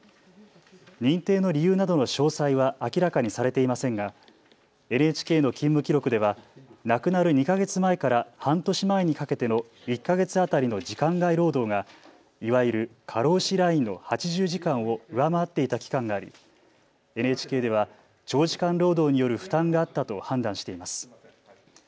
認定の理由などの詳細は明らかにされていませんがＮＨＫの勤務記録では亡くなる２か月前から半年前にかけての１か月当たりの時間外労働がいわゆる過労死ラインの８０時間を上回っていた期間がありＮＨＫでは長時間労働による負担があったと判断しています。